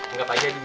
ingat aja dia